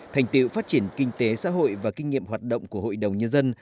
thành tiệu phát triển kinh tế xã hội và kinh nghiệm hoạt động của hội đồng nhân dân